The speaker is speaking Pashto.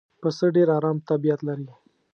پسه ډېر آرام طبیعت لري.